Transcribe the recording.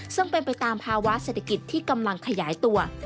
ซึ่งเป็นไปตามภาวะเศรษฐกิจที่กำลังขยายตัว